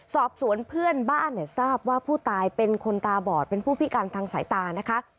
สอบสวนเพื่อนบ้านเนี่ยทราบว่าผู้ตายเป็นคนตาบอดเป็นผู้พิการทางสายตานะคะ